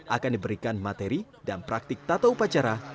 akan diberikan materi dan praktik tata upacara